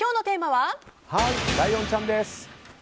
はい、ライオンちゃんです！